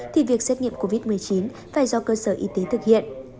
thì việc xét nghiệm covid một mươi chín phải do cơ sở y tế thực hiện